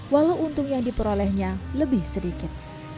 walau untung yang diperolehnya lebih sedikit